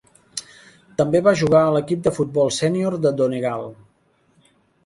També va jugar a l"equip de futbol sénior de Donegal.